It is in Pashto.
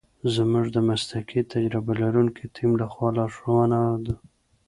زمونږ د مسلکي تجربه لرونکی تیم لخوا لارښونه